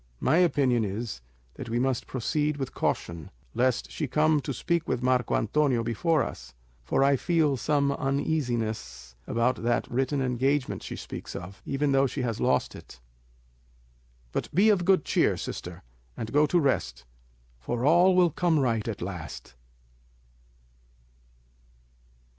My opinion is, that we must proceed with caution, lest she come to speak with Marco Antonio before us, for I feel some uneasiness about that written engagement she speaks of, even though she has lost it. But be of good cheer, sister, and go to rest, for all will come right at last."